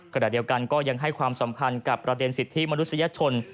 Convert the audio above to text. ขณะเดียวกันก็ยังให้ความสำคัญกับประเด็นสิทธิมนุษยชน